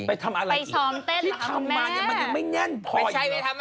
ไปทำอะไรที่ทำมาเนี่ยมันยังไม่แน่นพออยู่